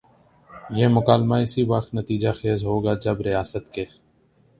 یہ مکالمہ اسی وقت نتیجہ خیز ہو گا جب ریاست کے